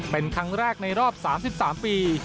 เป็นครั้งแรกในรอบ๓๓ปี